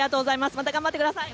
また頑張ってください。